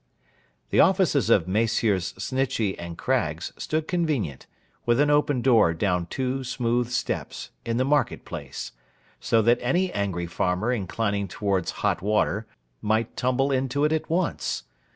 The offices of Messrs. Snitchey and Craggs stood convenient, with an open door down two smooth steps, in the market place; so that any angry farmer inclining towards hot water, might tumble into it at once.